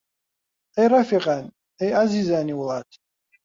ئەی ڕەفیقان، ئەی عەزیزانی وڵات!